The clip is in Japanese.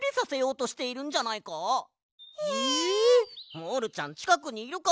モールちゃんちかくにいるかも。